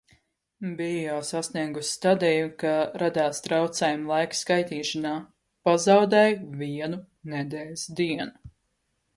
Biju jau sasniegusi stadiju, ka radās traucējumi laika skaitīšanā: pazaudēju vienu nedēļas dienu.